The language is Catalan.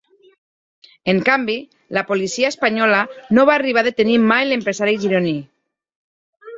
En canvi, la policia espanyola no va arribar a detenir mai l’empresari gironí.